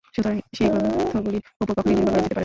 সুতরাং সেই গ্রন্থগুলির উপর কখনই নির্ভর করা যেতে পারে না।